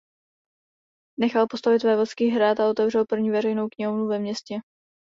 Nechal postavit vévodský hrad a otevřel první veřejnou knihovnu ve městě.